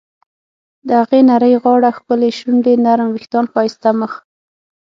د هغې نرۍ غاړه، ښکلې شونډې ، نرم ویښتان، ښایسته مخ..